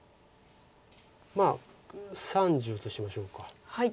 まあ３０としましょうか。